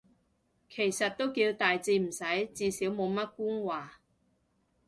其實都叫大致啱使，至少冇乜官話